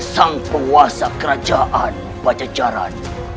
sang penguasa kerajaan bajajaran